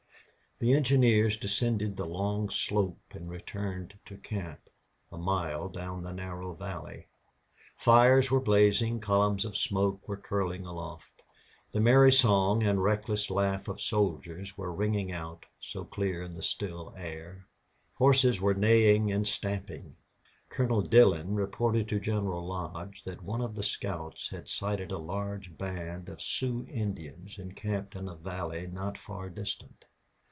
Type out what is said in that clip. The engineers descended the long slope and returned to camp, a mile down the narrow valley. Fires were blazing; columns of smoke were curling aloft; the merry song and reckless laugh of soldiers were ringing out, so clear in the still air; horses were neighing and stamping. Colonel Dillon reported to General Lodge that one of the scouts had sighted a large band of Sioux Indians encamped in a valley not far distant.